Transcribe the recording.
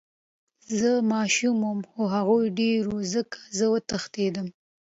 زه ماشوم وم خو هغوي ډير وو ځکه زه وتښتېدم.